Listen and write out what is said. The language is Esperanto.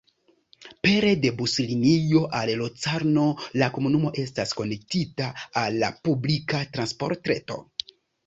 Pere de buslinio al Locarno la komunumo estas konektita al la publika transportreto.